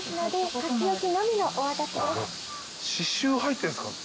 刺しゅう入ってんすか？